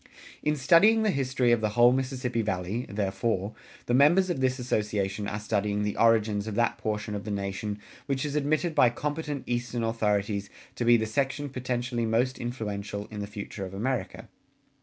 [178:1] In studying the history of the whole Mississippi Valley, therefore, the members of this Association are studying the origins of that portion of the nation which is admitted by competent Eastern authorities to be the section potentially most influential in the future of America.